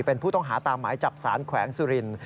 เป็นผู้ต้องหาตามหมายจับสารแขวงสุรินทร์